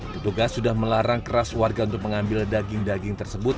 petugas sudah melarang keras warga untuk mengambil daging daging tersebut